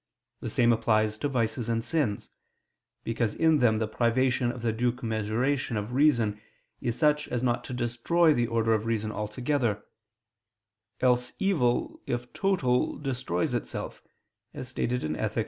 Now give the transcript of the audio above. The same applies to vices and sins: because in them the privation of the due commensuration of reason is such as not to destroy the order of reason altogether; else evil, if total, destroys itself, as stated in _Ethic.